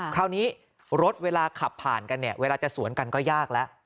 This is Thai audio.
คราวนี้รถเวลาขับผ่านกันเนี่ยเวลาจะสวนกันก็ยากแล้ว